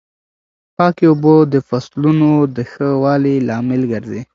پاکې اوبه د فصلونو د ښه والي لامل ګرځي.